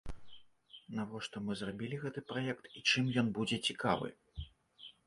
Навошта мы зрабілі гэты праект і чым ён будзе цікавы?